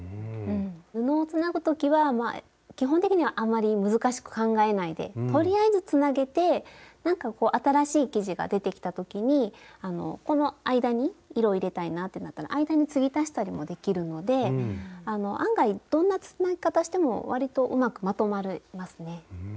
布をつなぐ時は基本的にはあまり難しく考えないでとりあえずつなげてなんかこう新しい生地が出てきた時にこの間に色入れたいなってなったら間に継ぎ足したりもできるので案外どんなつなぎ方してもわりとうまくまとまりますね。